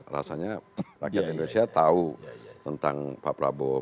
rasanya rakyat indonesia tahu tentang pak prabowo